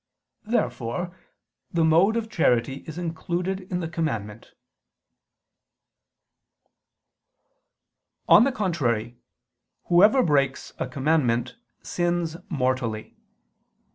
Therefore the mode of charity is included in the commandment. On the contrary, Whoever breaks a commandment sins mortally.